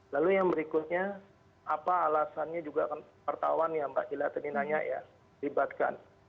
lalu yang berikutnya apa alasannya juga wartawan yang mbak ila tadi nanya ya dibatkan